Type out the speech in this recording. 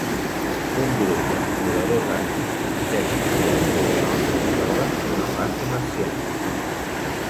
Un grup d'exploradors àrtics que cerquen el Pol Nord hi troben una base marciana.